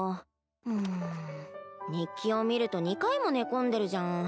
うん日記を見ると２回も寝込んでるじゃん